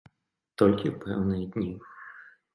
Толькі ў пэўныя дні.